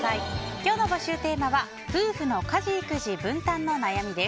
今日の募集テーマは夫婦の家事育児分担の悩みです。